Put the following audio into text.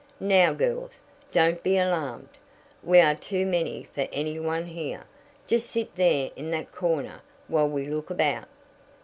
Now, girls, don't be alarmed. We are too many for any one here. Just sit there in that corner while we look about."